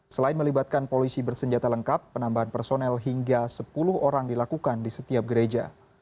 selain melibatkan polisi bersenjata lengkap penambahan personel hingga sepuluh orang dilakukan di setiap gereja